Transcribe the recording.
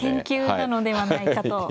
研究なのではないかと。